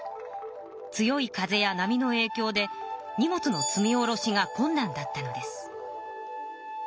強い風や波のえいきょうで荷物の積みおろしがこんなんだったのです。